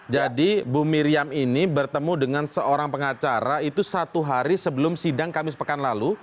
jadi bu miriam ini bertemu dengan seorang pengacara itu satu hari sebelum sidang kamis pekan lalu